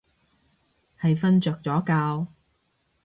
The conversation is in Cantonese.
係瞓着咗覺